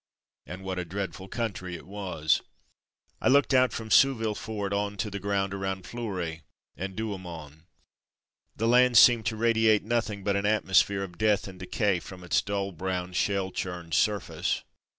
And what a dreadful country it was ! I looked out from Souville fort on to the ground around Fleury and Douaumont. The land seemed to radiate nothing but an atmosphere of death and decay from its dull brown, shell churned surface.